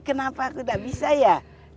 kenapa aku tidak bisa ya